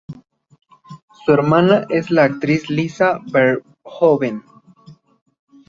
Su hermana es la actriz Lisa Verhoeven.